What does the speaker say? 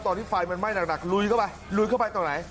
ไฟมันไหม้หนักลุยเข้าไปลุยเข้าไปตอนไหน